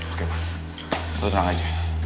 oke pak lo tenang aja